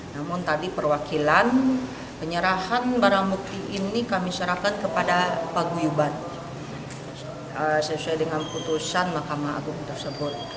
namun tadi perwakilan penyerahan barang bukti ini kami serahkan kepada paguyuban sesuai dengan putusan mahkamah agung tersebut